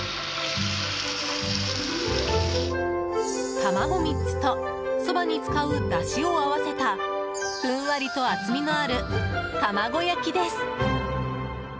卵３つとそばに使うだしを合わせたふんわりと厚みのある玉子焼きです。